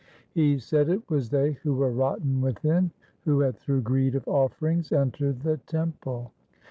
He said it was they who were rotten within, who had through greed of offerings entered the temple.